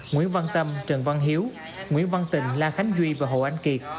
nguyễn văn tâm trần văn hiếu nguyễn văn tịnh la khánh duy và hồ anh kiệt